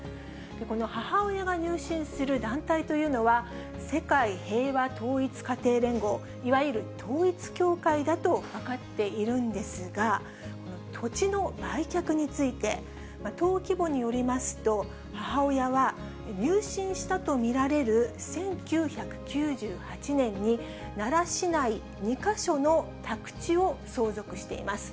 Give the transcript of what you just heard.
この母親が入信する団体というのは、世界平和統一家庭連合、いわゆる統一教会だと分かっているんですが、土地の売却について、登記簿によりますと、母親は入信したと見られる１９９８年に、奈良市内２か所の宅地を相続しています。